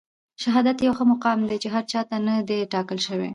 شهادت يو ښه مقام دی چي هر چاته نه دی ټاکل سوی.